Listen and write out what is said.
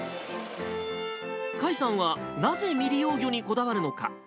甲斐さんはなぜ、未利用魚にこだわるのか。